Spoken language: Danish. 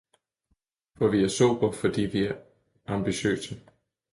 For vi er sobre, fordi vi er ambitiøse.